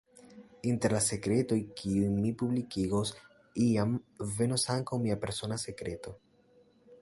Inter la sekretoj kiujn mi publikigos, iam venos ankaŭ mia persona sekreto.